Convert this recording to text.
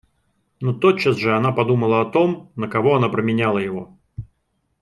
Но тотчас же она подумала о том, на кого она променяла его.